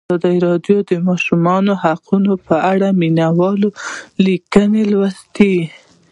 ازادي راډیو د د ماشومانو حقونه په اړه د مینه والو لیکونه لوستي.